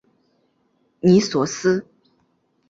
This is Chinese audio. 尼索斯。